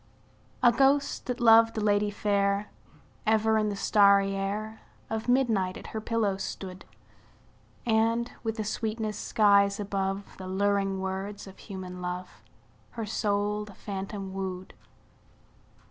A ghost, that loved a lady fair, Ever in the starry air Of midnight at her pillow stood; And, with a sweetness skies above The luring words of human love, Her soul the phantom wooed.